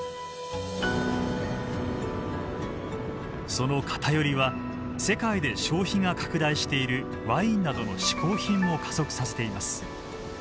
その偏りは世界で消費が拡大しているワインなどの嗜好品も加速させています。